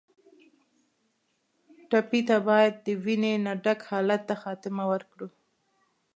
ټپي ته باید د وینې نه ډک حالت ته خاتمه ورکړو.